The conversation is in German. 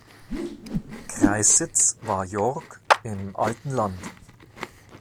Kreissitz war Jork im Alten Land.